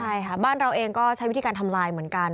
ใช่ค่ะบ้านเราเองก็ใช้วิธีการทำลายเหมือนกัน